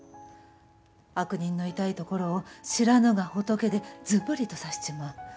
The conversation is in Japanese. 悪人の痛いところを知らぬが仏でずぶりと刺しちまう。